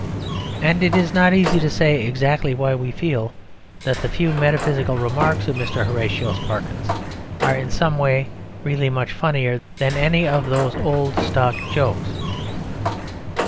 And it is not easy to say exactly why we feel that the few metaphysical remarks of Mr. Horatio Sparkins are in some way really much funnier than any of those old stock jokes.